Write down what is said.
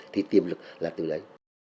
thì tiềm lực là từ đấy